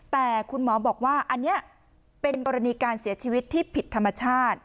แต่คุณหมอบอกว่าอันนี้เป็นกรณีการเสียชีวิตที่ผิดธรรมชาติ